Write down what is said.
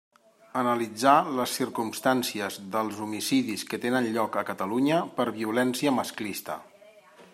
Analitzar les circumstàncies dels homicidis que tenen lloc a Catalunya per violència masclista.